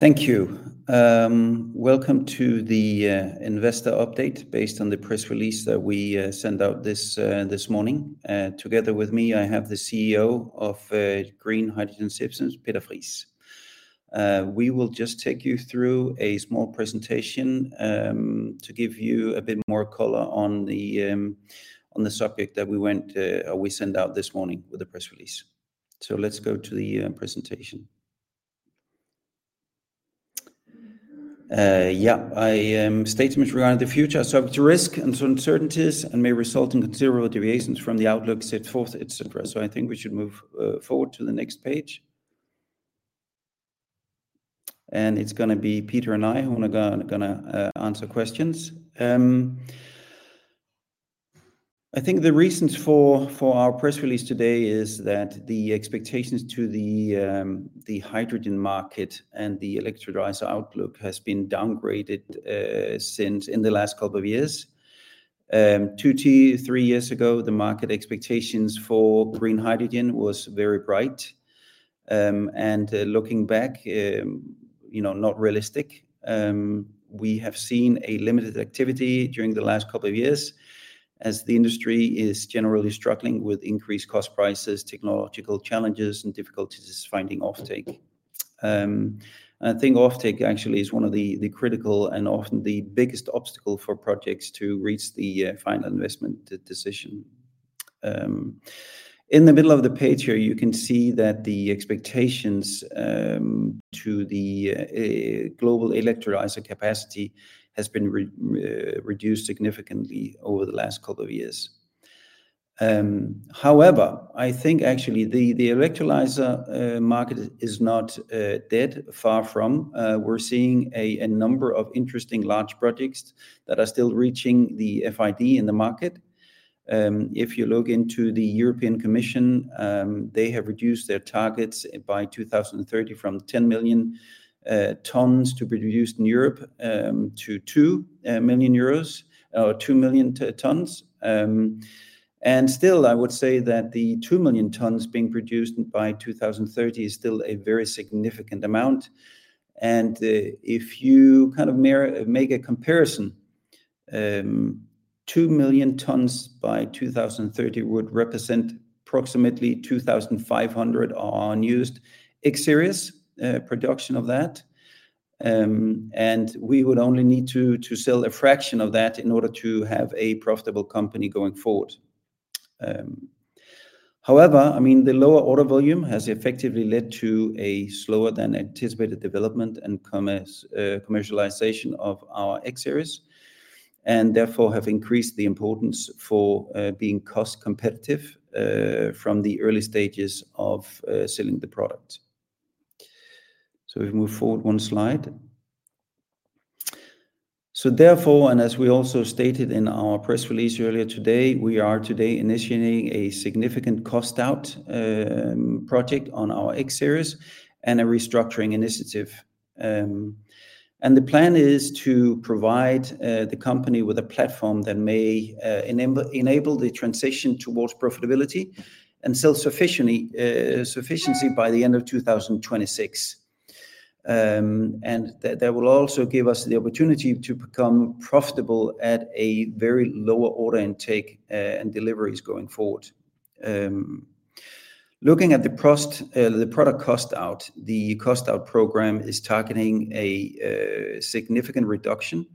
Thank you. Welcome to the investor update based on the press release that we sent out this morning. Together with me, I have the CEO of Green Hydrogen Systems, Peter Friis. We will just take you through a small presentation to give you a bit more color on the subject that we sent out this morning with the press release. So let's go to the presentation. A statement regarding the future subject to risk and uncertainties and may result in material deviations from the outlook set forth, etc. So I think we should move forward to the next page. And it's gonna be Peter and I who are gonna answer questions. I think the reasons for our press release today is that the expectations to the hydrogen market and the electrolyzer outlook has been downgraded since in the last couple of years. Two to three years ago, the market expectations for green hydrogen was very bright, and looking back, you know, not realistic. We have seen a limited activity during the last couple of years as the industry is generally struggling with increased cost prices, technological challenges, and difficulties finding offtake, and I think offtake actually is one of the critical and often the biggest obstacle for projects to reach the final investment decision. In the middle of the page here, you can see that the expectations to the global electrolyzer capacity has been reduced significantly over the last couple of years. However, I think actually the electrolyzer market is not dead, far from. We're seeing a number of interesting large projects that are still reaching the FID in the market. If you look into the European Commission, they have reduced their targets for 2030 from 10 million tons to be produced in Europe to 2 million tons. And still, I would say that the two million tons being produced by 2030 is still a very significant amount, and if you kind of make a comparison, two million tons by 2030 would represent approximately 2500 one-MW X-Series production of that. We would only need to sell a fraction of that in order to have a profitable company going forward. However, I mean, the lower order volume has effectively led to a slower than anticipated development and commercialization of our X-Series, and therefore have increased the importance for being cost competitive from the early stages of selling the product. If we move forward one slide. Therefore, and as we also stated in our press release earlier today, we are today initiating a significant cost-out project on our X-Series and a restructuring initiative. The plan is to provide the company with a platform that may enable the transition towards profitability and self-sufficiency by the end of 2026. And that will also give us the opportunity to become profitable at a very lower order intake and deliveries going forward. Looking at the cost, the product cost out, the cost out program is targeting a significant reduction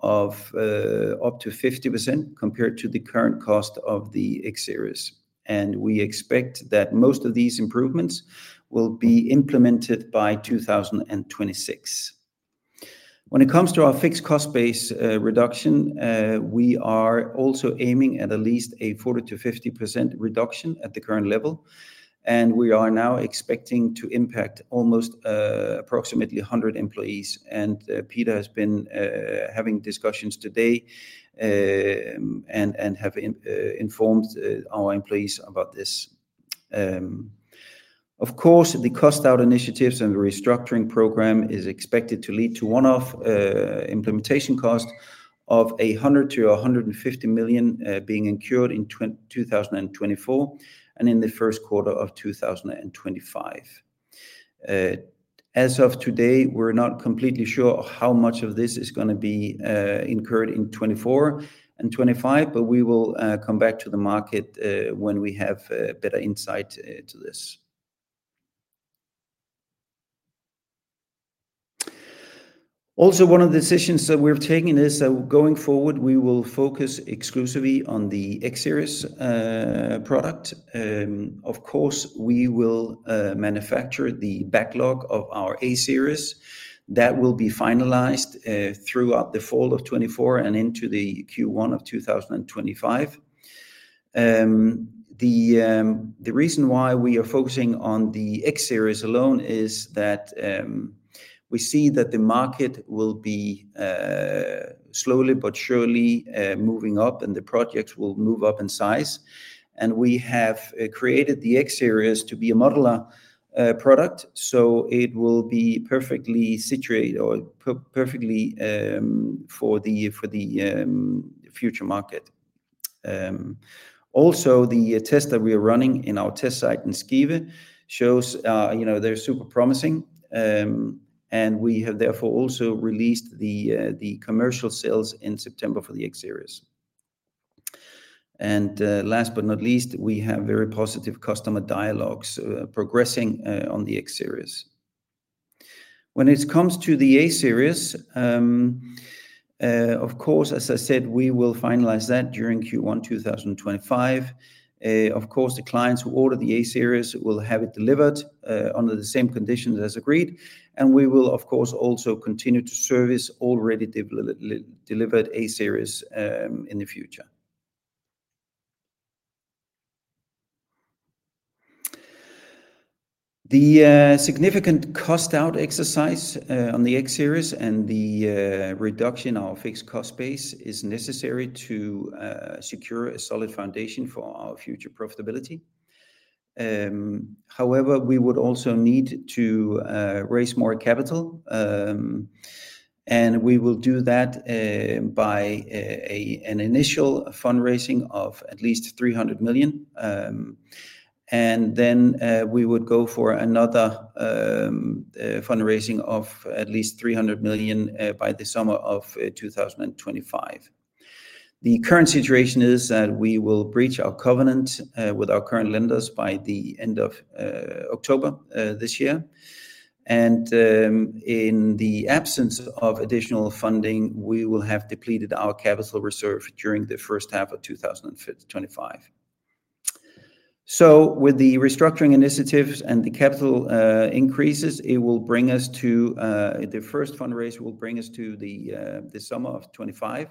of up to 50% compared to the current cost of the X-Series, and we expect that most of these improvements will be implemented by 2026. When it comes to our fixed cost base reduction, we are also aiming at least a 40%-50% reduction at the current level, and we are now expecting to impact almost approximately 100 employees. Peter has been having discussions today and have informed our employees about this. Of course, the cost out initiatives and the restructuring program is expected to lead to one-off implementation costs of 100-150 million being incurred in 2024 and in the first quarter of 2025. As of today, we're not completely sure how much of this is gonna be incurred in 2024 and 2025, but we will come back to the market when we have better insight to this. Also, one of the decisions that we've taken is that going forward, we will focus exclusively on the X-Series product. Of course, we will manufacture the backlog of our A-Series. That will be finalized throughout the fall of 2024 and into the Q1 of 2025. The reason why we are focusing on the X-Series alone is that we see that the market will be slowly but surely moving up, and the projects will move up in size. And we have created the X-Series to be a modular product, so it will be perfectly situated or perfectly for the future market. Also the test that we are running in our test site in Skive shows, you know, they're super promising. And we have therefore also released the commercial sales in September for the X-Series. And last but not least, we have very positive customer dialogues progressing on the X-Series. When it comes to the A-Series, of course, as I said, we will finalize that during Q1 2025. Of course, the clients who order the A-Series will have it delivered under the same conditions as agreed, and we will, of course, also continue to service already delivered A-Series in the future. The significant cost out exercise on the X-Series and the reduction of our fixed cost base is necessary to secure a solid foundation for our future profitability. However, we would also need to raise more capital, and we will do that by an initial fundraising of at least 300 million, and then we would go for another fundraising of at least 300 million by the summer of 2025. The current situation is that we will breach our covenant with our current lenders by the end of October this year. In the absence of additional funding, we will have depleted our capital reserve during the first half of 2025. With the restructuring initiatives and the capital increases, the first fundraise will bring us to the summer of 2025.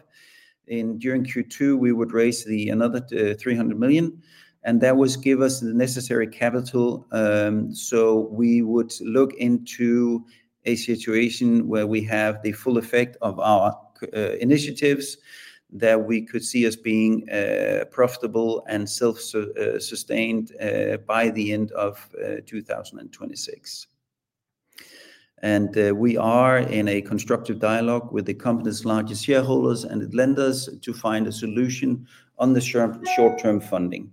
During Q2, we would raise another 300 million, and that would give us the necessary capital. We would look into a situation where we have the full effect of our initiatives, that we could see as being profitable and self-sustained by the end of 2026. We are in a constructive dialogue with the company's largest shareholders and lenders to find a solution on the short-term funding.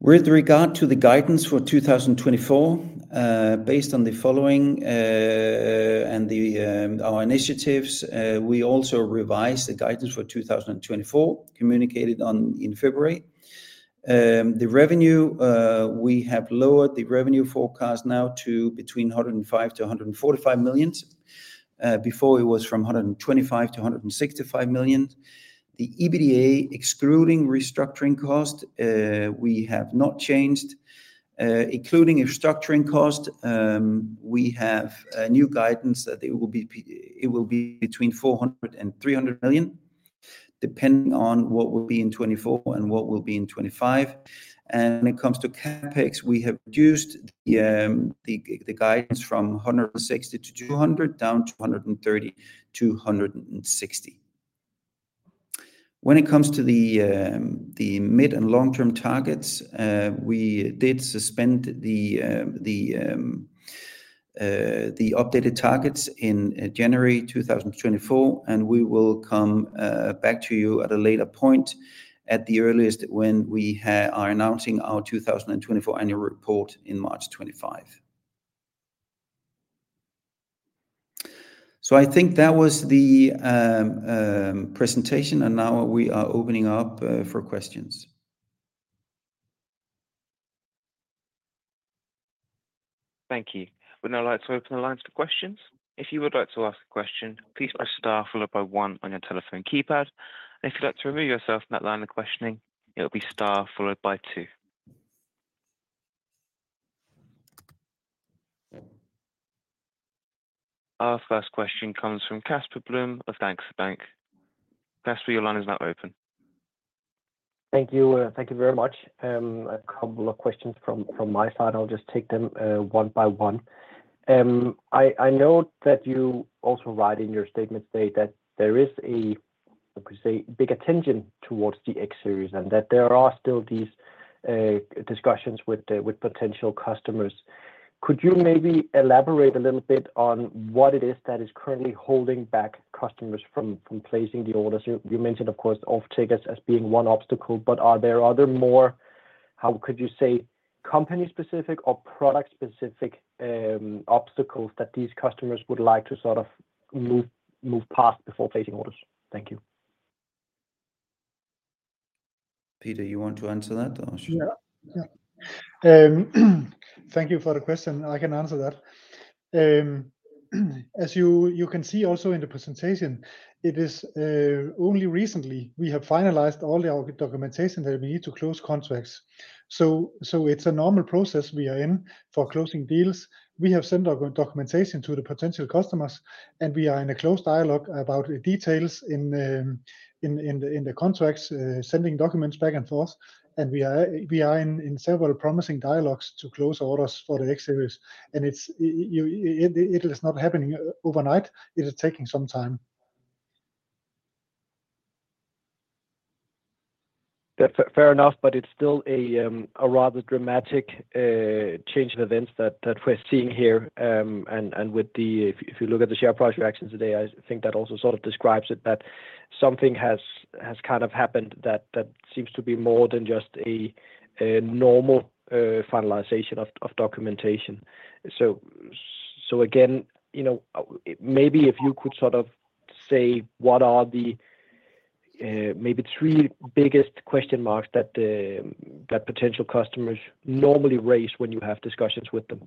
With regard to the guidance for 2024, based on the following, and our initiatives, we also revised the guidance for 2024, communicated on in February. The revenue, we have lowered the revenue forecast now to between 105 million to 145 million. Before it was from 125 million to 165 million. The EBITDA, excluding restructuring cost, we have not changed. Including restructuring cost, we have a new guidance that it will be between -400 million and -300 million, depending on what will be in 2024 and what will be in 2025. And when it comes to CapEx, we have reduced the guidance from 160 million to 200 million, down to 130 million to 160 million. When it comes to the mid- and long-term targets, we did suspend the updated targets in January 2024, and we will come back to you at a later point, at the earliest, when we are announcing our 2024 annual report in March 2025. So I think that was the presentation, and now we are opening up for questions. Thank you. We'd now like to open the lines for questions. If you would like to ask a question, please press star followed by one on your telephone keypad. If you'd like to remove yourself from that line of questioning, it'll be star followed by two. Our first question comes from Casper Blom of Danske Bank. Casper, your line is now open. Thank you. Thank you very much. A couple of questions from my side. I'll just take them one by one. I know that you also write in your statement today that there is a, I could say, big attention towards the X-Series, and that there are still these discussions with the potential customers. Could you maybe elaborate a little bit on what it is that is currently holding back customers from placing the orders? You mentioned, of course, offtakers as being one obstacle, but are there other more, how could you say, company-specific or product-specific obstacles that these customers would like to sort of move past before placing orders? Thank you. Peter, you want to answer that or should- Yeah. Yeah. Thank you for the question. I can answer that. As you can see also in the presentation, it is only recently we have finalized all the documentation that we need to close contracts. So it's a normal process we are in for closing deals. We have sent our documentation to the potential customers, and we are in a close dialogue about the details in the contracts, sending documents back and forth. And we are in several promising dialogues to close orders for the X-Series. And it's not happening overnight. It is taking some time. ... Fair, fair enough, but it's still a rather dramatic change in events that we're seeing here. If you look at the share price reactions today, I think that also sort of describes it, that something has kind of happened that seems to be more than just a normal finalization of documentation. Again, you know, maybe if you could sort of say, what are the maybe three biggest question marks that potential customers normally raise when you have discussions with them?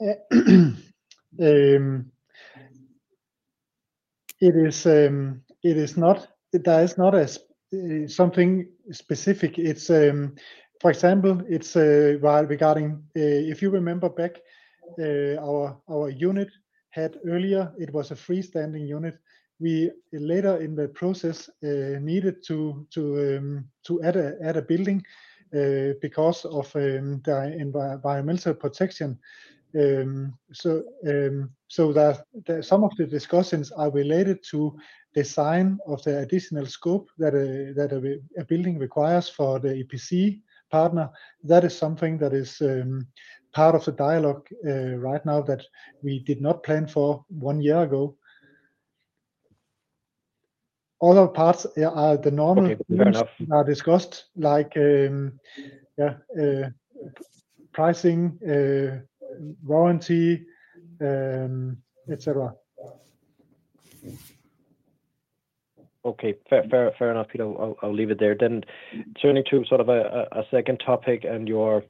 It is not something specific. It's, for example, it's while regarding if you remember back, our unit had earlier, it was a freestanding unit. We later in the process needed to add a building because of the environmental protection. So some of the discussions are related to design of the additional scope that a building requires for the EPC partner. That is something that is part of the dialogue right now that we did not plan for one year ago. Other parts, yeah, are the normal- Okay, fair enough.... are discussed, like, pricing, warranty, et cetera. Okay. Fair, fair, fair enough, Peter. I'll leave it there then. Turning to sort of a second topic and your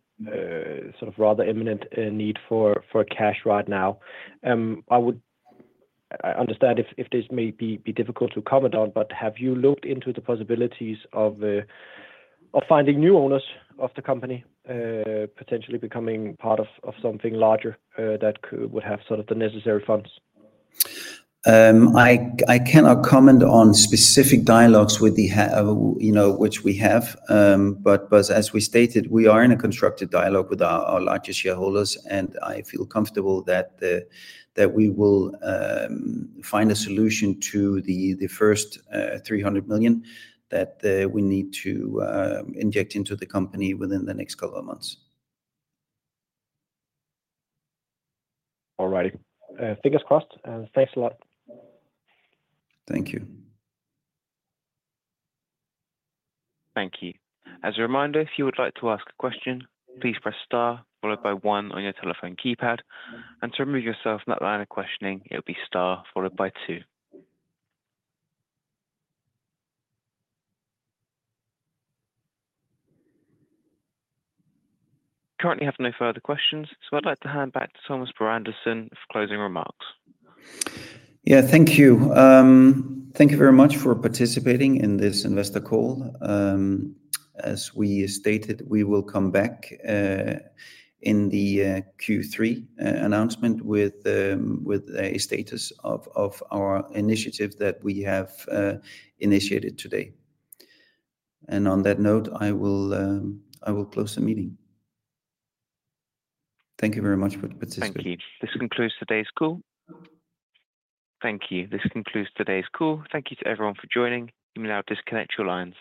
sort of rather imminent need for cash right now. I would... I understand if this may be difficult to comment on, but have you looked into the possibilities of finding new owners of the company, potentially becoming part of something larger that could-- would have sort of the necessary funds? I cannot comment on specific dialogues with the, you know, which we have. But as we stated, we are in a constructive dialogue with our largest shareholders, and I feel comfortable that we will find a solution to the first 300 million that we need to inject into the company within the next couple of months. All righty. Fingers crossed, and thanks a lot. Thank you. Thank you. As a reminder, if you would like to ask a question, please press star followed by one on your telephone keypad, and to remove yourself from that line of questioning, it'll be star followed by two. Currently, I have no further questions, so I'd like to hand back to Thomas Broe-Andersen for closing remarks. Yeah, thank you. Thank you very much for participating in this investor call. As we stated, we will come back in the Q3 announcement with a status of our initiative that we have initiated today. And on that note, I will close the meeting. Thank you very much for participating. Thank you. This concludes today's call. Thank you to everyone for joining. You may now disconnect your lines.